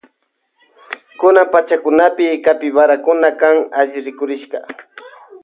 Kunan pachakunapi capibarakuna kan alli rikurishka.